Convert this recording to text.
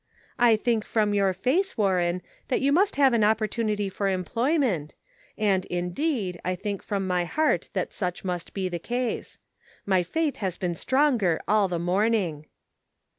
" I think from your face, Warren, that you must have an opportunity for employ ment ; and, indeed, I think from my heart that such must be the case. My faith has been stronger all the morning."